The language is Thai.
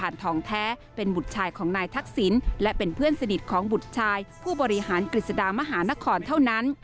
เป็นเพื่อนสนิทของบุตรชายผู้บริหารกฤษฎามหานครเท่านั้น